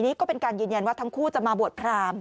นี่ก็เป็นการยืนยันว่าทั้งคู่จะมาบวชพราม